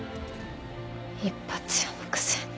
一発屋のくせに。